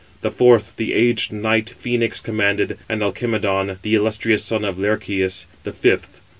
The fourth, the aged knight Phœnix commanded; and Alcimedon, the illustrious son of Laërceus, the fifth.